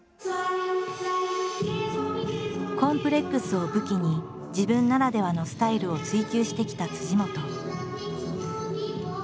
コンプレックスを武器に自分ならではのスタイルを追求してきた本。